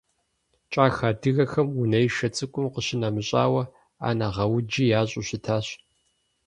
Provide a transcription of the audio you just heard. КӀахэ адыгэхэм унэишэ цӀыкӀум къищынэмыщӀауэ, Ӏэнэгъэуджи ящӀу щытащ.